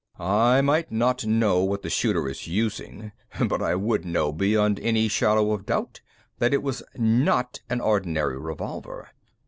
I might not know what the shooter is using, but I would know beyond any shadow of doubt that it was not an ordinary revolver.